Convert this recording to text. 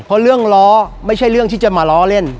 เพราะเรื่องล้อไม่ใช่เรื่องที่จะมาล้อเล่น